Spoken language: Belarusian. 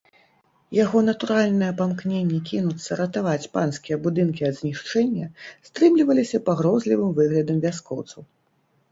Яго натуральнае памкненне кінуцца ратаваць панскія будынкі ад знішчэння стрымліваліся пагрозлівым выглядам вяскоўцаў.